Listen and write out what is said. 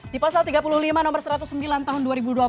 di pasal tiga puluh lima nomor satu ratus sembilan tahun dua ribu dua belas